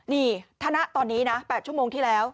นี่ถ้าณตอนนี้นะ๘ชั่วโมงที่แล้ว